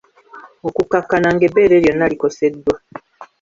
Okukkakkana ng’ebbeere lyonna likoseddwa.